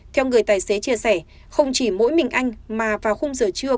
theo người tài xế chia sẻ không chỉ mỗi mình anh mà vào khung giờ trưa